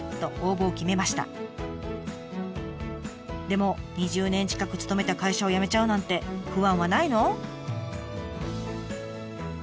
でも２０年近く勤めた会社を辞めちゃうなんて不安はないの？